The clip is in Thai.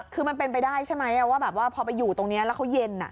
คือมันเป็นไปได้ใช่ไหมว่าแบบว่าพอไปอยู่ตรงนี้แล้วเขาเย็น